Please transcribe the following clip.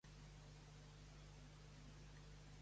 -Però és que encara tenen més valor que si passessin.